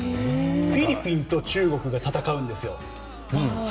フィリピンと中国が最終戦で戦うんです。